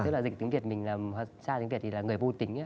tức là dịch tiếng việt mình là hoặc tra tiếng việt là người vô tính